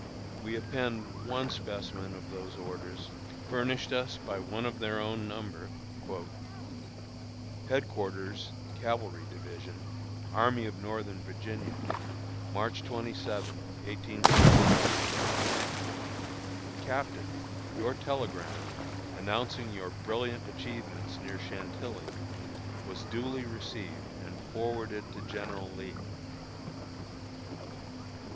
We append one specimen of those orders, furnished us by one of their own number: HEADQUARTERS, CAVALRY DIVISION, Army of Northern Virginia, March 27, 1863. CAPTAIN Your telegram, announcing your brilliant achievements near Chantilly, was duly received and forwarded to General Lee.